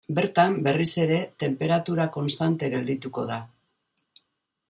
Bertan, berriz ere, tenperatura konstante geldituko da.